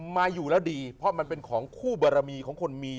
มาอยู่แล้วดีเพราะมันเป็นของคู่บารมีของคนมี